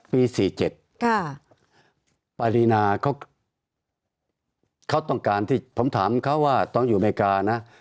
๔๗ปารีนาเขาต้องการที่ผมถามเขาว่าตอนอยู่อเมริกานะ